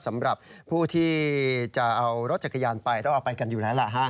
สำหรับผู้ที่จะเอารถจักรยานไปต้องเอาไปกันอยู่แล้วล่ะฮะ